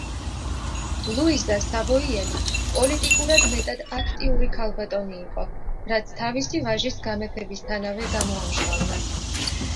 ლუიზა სავოიელი, პოლიტიკურად მეტად აქტიური ქალბატონი იყო, რაც თავისი ვაჟის გამეფებისთანავე გამოამჟღავნა.